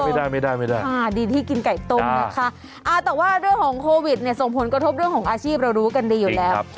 ไม่ได้ไม่ได้ดีที่กินไก่ต้มนะคะแต่ว่าเรื่องของโควิดเนี่ยส่งผลกระทบเรื่องของอาชีพเรารู้กันดีอยู่แล้ว